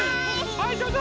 はいどうぞ！